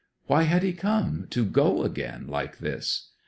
Why had he come, to go again like this?